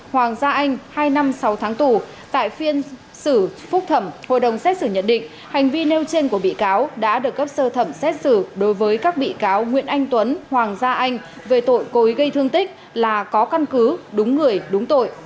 hoàng gia anh hai năm sáu tháng tù tại phiên xử phúc thẩm hội đồng xét xử nhận định hành vi nêu trên của bị cáo đã được cấp sơ thẩm xét xử đối với các bị cáo nguyễn anh tuấn hoàng gia anh về tội cố ý gây thương tích là có căn cứ đúng người đúng tội